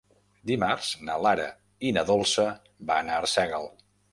Dimarts na Lara i na Dolça van a Arsèguel.